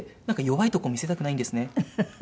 なんか弱いとこ見せたくないんですね。